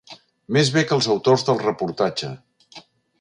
Més bé que els autors del reportatge.